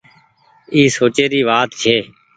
اي سوچي ري وآت ڇي۔